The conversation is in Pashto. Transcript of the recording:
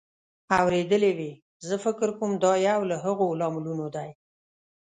اورېدلې وې. زه فکر کوم دا یو له هغو لاملونو دی